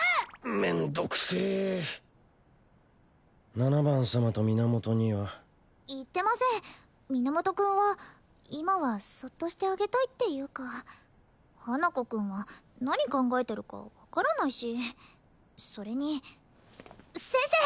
めんどくせ七番様と源には？言ってません源くんは今はそっとしてあげたいっていうか花子くんは何考えてるか分からないしそれに先生！